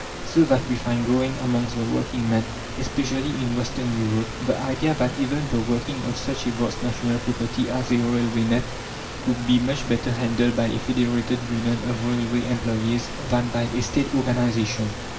So that we find growing amongst the working men, especially in Western Europe, the idea that even the working of such a vast national property as a railway net could be much better handled by a Federated Union of railway employés, than by a State organization.